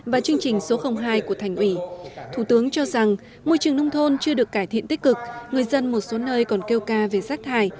và chương trình số hai của thành ủy thủ tướng cho rằng môi trường nông thôn chưa được cải thiện tích cực người dân một số nơi còn kêu ca về rác thải